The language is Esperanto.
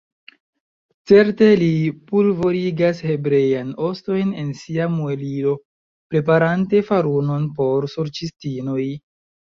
Certe, li pulvorigas hebreajn ostojn en sia muelilo, preparante farunon por sorĉistinoj!